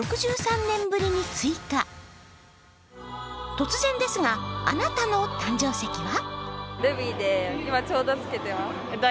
突然ですが、あなたの誕生石は？